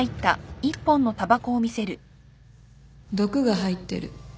毒が入ってる